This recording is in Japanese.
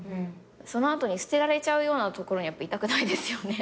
その後に捨てられちゃうようなところにやっぱいたくないですよね。